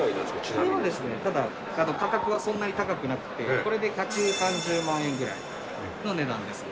こちらは価格はそんなに高くはなくて、これで約１３０万円ぐらいの値段です。